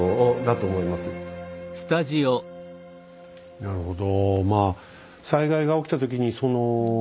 なるほど。